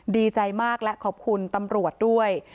ดีใจมากและขอบคุณตำรวจด้วย